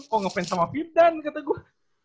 kok ngefans sama firdan kata gua